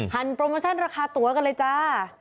โปรโมชั่นราคาตัวกันเลยจ้า